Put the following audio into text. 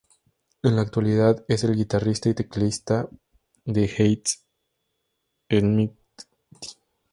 En la actualidad es el guitarrista y teclista de Hades Almighty.